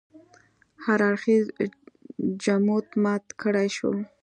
هر اړخیز جمود مات کړای شو.